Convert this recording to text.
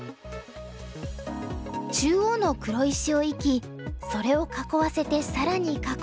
中央の黒石を生きそれを囲わせて更に囲うハメ手作戦。